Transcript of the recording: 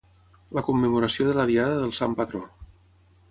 la commemoració de la diada del sant patró